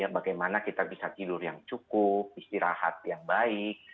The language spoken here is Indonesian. bagaimana kita bisa tidur yang cukup istirahat yang baik